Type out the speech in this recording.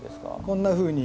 こんなふうに。